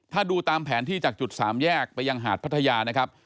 ถ้าดูตามแผนที่จากจุดสามแยกไปยังหาดพัทยานะครับ